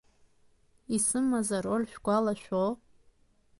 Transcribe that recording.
Исымаз ароль шәгәалашәо?!